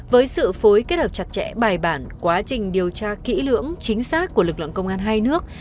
với sự phối kết hợp chặt chẽ bài bản quá trình điều tra kỹ lưỡng chính xác của lực lượng công an hai nước